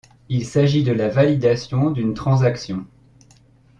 Il s'agit de la validation d'une transaction.